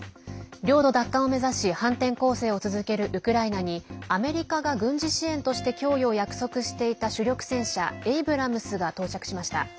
領土奪還を目指し反転攻勢を続けるウクライナにアメリカが軍事支援として供与を約束していた主力戦車エイブラムスが到着しました。